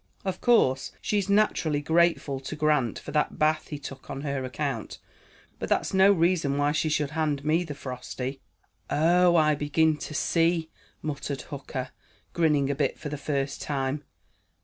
Of course, she's naturally grateful to Grant for that bath he took on her account, but that's no reason why she should hand me the frosty." "Oh, I begin to see," muttered Hooker, grinning a bit for the first time.